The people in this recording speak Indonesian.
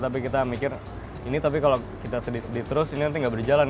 tapi kita mikir ini tapi kalau kita sedih sedih terus ini nanti nggak berjalan